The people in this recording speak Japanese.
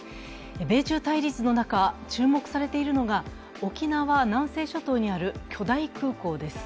米中対立の中、注目されているのが沖縄南西諸島にある巨大空港です。